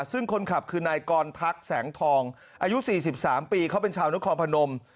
ซึ่งคนขับคือนายกรทักแสงทองอายุ๔๓ปีเขาเป็นชาวนครพนม